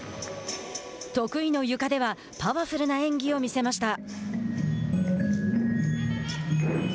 得意のゆかではパワフルな演技を見せました。